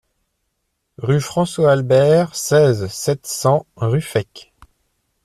Rue François Albert, seize, sept cents Ruffec